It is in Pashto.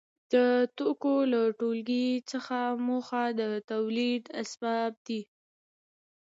د توکو له ټولګې څخه موخه د تولید اسباب دي.